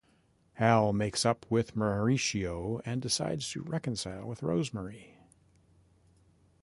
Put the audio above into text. Hal makes up with Mauricio and decides to reconcile with Rosemary.